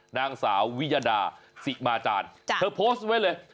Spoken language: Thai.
นางสาววิยดาสิมาจารย์เธอโพสต์ไว้เลย